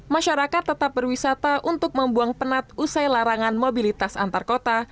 masyarakat tetap berwisata untuk membuang penat usai larangan mobilitas antar kota